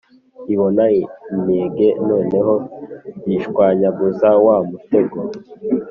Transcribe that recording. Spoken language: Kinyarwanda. ibona intege noneho zishwanyaguza wa mutego,